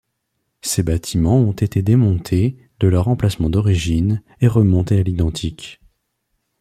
Ces bâtiments ont été démontés de leur emplacement d'origine, et remontés à l'identique.